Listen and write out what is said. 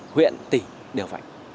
huyện tỉ đều vậy